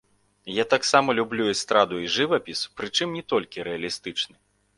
Я таксама люблю эстраду і жывапіс, прычым не толькі рэалістычны.